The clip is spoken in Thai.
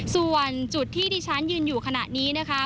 ส่วนจุดที่ที่ฉันยืนอยู่ขณะนี้นะคะ